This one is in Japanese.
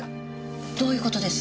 どういう事です？